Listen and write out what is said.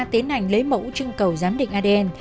tiến hành lấy mẫu trưng cầu giám định adn